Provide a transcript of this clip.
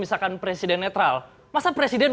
misalkan presiden netral masa presiden